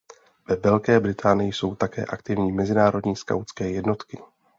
Ve velké Británii jsou také aktivní mezinárodní skautské jednotky.